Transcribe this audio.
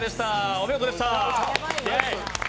お見事でした。